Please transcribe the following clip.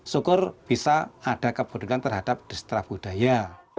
syukur bisa ada keburukan terhadap distra budaya